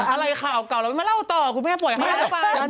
อะไรข่าวเก่ามาเล่าต่อคุณแม่ป่วยห่าละไป